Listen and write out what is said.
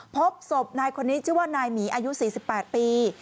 พบศพนายคนนี้ชื่อว่านายหมีอายุ๔๘ปี